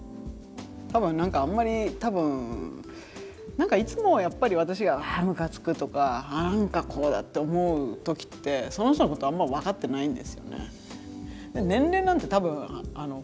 多分何かあんまり何かいつもやっぱり私があむかつくとか何かこうだって思う時ってその人のことあんまり分かってないんですよね。